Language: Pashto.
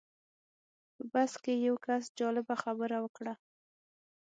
په بس کې یو کس جالبه خبره وکړه.